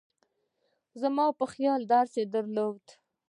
زما په خیال درس یې درلود.